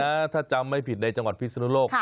ที่ดังนะถ้าจำไม่ผิดในจังหวัดภิกษ์สนุนโลก